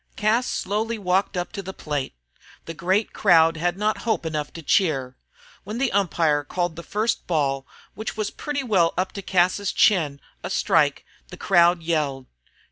Cas slowly walked up to the plate. The great crowd had not hope enough to cheer. When the umpire called the first ball, which was pretty well up to Cas's chin, a strike, the crowd yelled.